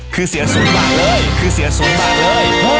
คือเสีย๐บาทเลยคือเสีย๐บาทเลยต่อเดือนนะฮะ